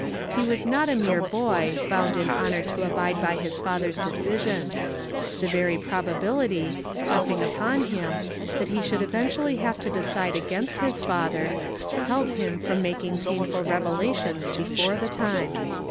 He was not a mere boy, bound in honor to abide by his father's decisions. Tlie very probability, pressing upon 1dm, tliat he should eventually have to de cide against Ids father, held him from making pain fid revelations before the time.